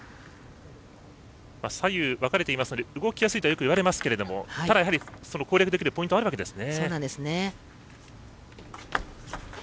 左右、分かれていますので動きやすいとはよくいわれますがただ、やはり攻略できるポイントはあるわけなんですね。